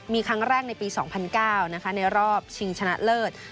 มีครั้งแรกในปี๒๐๐๙ในรอบชิงชนะเลิศ